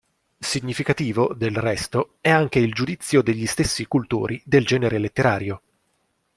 Significativo, del resto, è anche il giudizio degli stessi cultori del genere letterario.